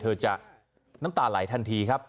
เธอจะน้ำตาไหลทันทีครับ